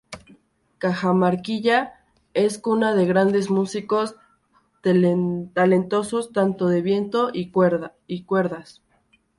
Cajamarquilla es cuna de grandes músicos talentosos tanto de viento y cuerdas.